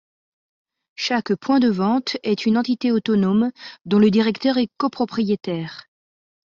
Chaque point de vente est une entité autonome dont le directeur est copropriétaire.